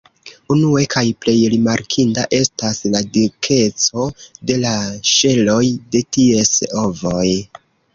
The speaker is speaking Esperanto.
Unue kaj plej rimarkinda estas la dikeco de la ŝeloj de ties ovoj.